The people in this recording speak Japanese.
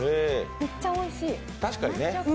めっちゃおいしい。